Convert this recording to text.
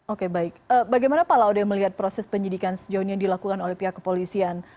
oke baik bagaimana pak laude melihat proses penyidikan sejauh ini yang dilakukan oleh pihak kepolisian